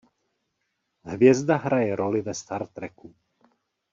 Hvězda hraje roli ve Star Treku.